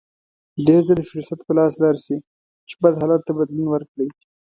ډېر ځله فرصت په لاس درشي چې بد حالت ته بدلون ورکړئ.